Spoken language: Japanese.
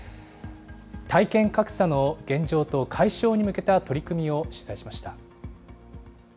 体験格差の現状と解消に向けた取り組みを取材しました。